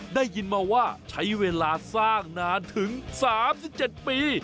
ได้ยินมาว่าใช้เวลาสร้างนานถึง๓๗ปี